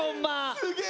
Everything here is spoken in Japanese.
すげえ！